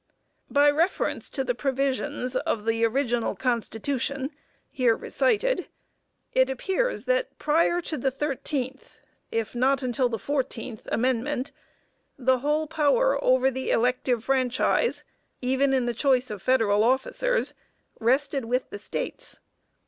By reference to the provisions of the original Constitution, here recited, it appears that prior to the thirteenth, if not until the fourteenth, amendment, the whole power over the elective franchise, even in the choice of Federal officers, rested with the States.